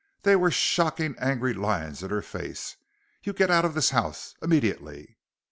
There were shocking angry lines in her face. "You get out of this house! Immediately!"